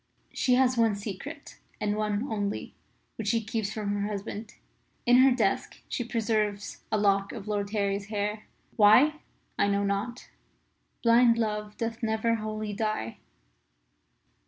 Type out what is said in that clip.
She has one secret and only one which she keeps from her husband. In her desk she preserves a lock of Lord Harry's hair. Why? I know not. Blind Love doth never wholly die.